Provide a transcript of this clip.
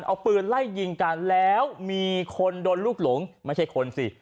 เอาปืนไล่ยิงกันแล้วมีคนโดนลูกหลงไม่ใช่คนสิ